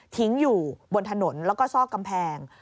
อยู่บนถนนแล้วก็ซอกกำแพง